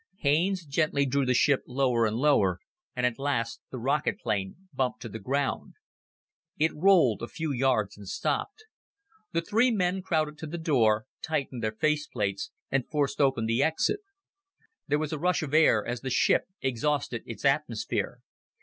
Haines gently drew the ship lower and lower, and at last the rocket plane bumped to the ground. It rolled a few yards and stopped. The three men crowded to the door, tightened their face plates, and forced open the exit. There was a rush of air as the ship exhausted its atmosphere.